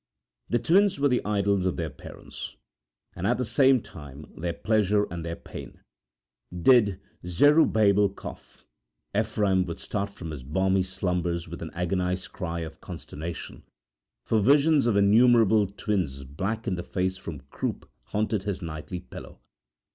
The twins were the idols of their parents, and at the same time their pleasure and their pain. Did Zerubbabel cough, Ephraim would start from his balmy slumbers with an agonized cry of consternation, for visions of innumerable twins black in the face from croup haunted his nightly pillow.